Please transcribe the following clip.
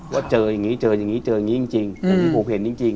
ว่าเจออย่างนี้เจออย่างนี้เจออย่างนี้จริงอย่างที่ผมเห็นจริง